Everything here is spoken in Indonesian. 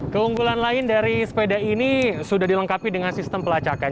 keunggulan lain dari sepeda ini sudah dilengkapi dengan sistem pelacakan